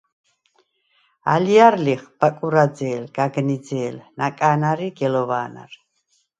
ალჲარ ლიხ: ბაკურაძე̄ლ, გაგნიძე̄ლ, ნაკანარ ი გელოვა̄ნარ.